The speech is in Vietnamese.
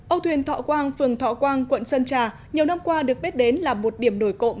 âu thuyền thọ quang phường thọ quang quận sơn trà nhiều năm qua được biết đến là một điểm nổi cộng